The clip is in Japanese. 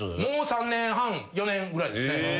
３年半４年ぐらいですね。